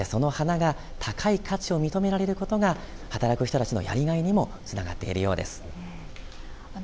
そしてその花が高い価値を認められることが働く人たちのやりがいにもつながっているようです。